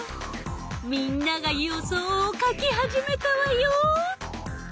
みんなが予想を書き始めたわよ！